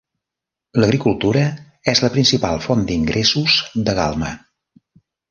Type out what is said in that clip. L'agricultura és la principal font d'ingressos de Galma.